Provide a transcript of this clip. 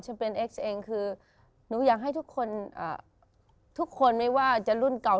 จะเป็นเอ็กซ์เองคือหนูอยากให้ทุกคนทุกคนไม่ว่าจะรุ่นเก่า